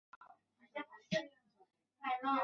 其后官至上士。